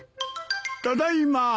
ただいま。